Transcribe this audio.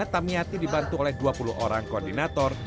tamiyati dibantu oleh dua puluh orang koordinator